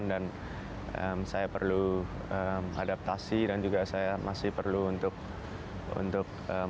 dan saya perlu adaptasi dan juga saya masih perlu untuk mencapai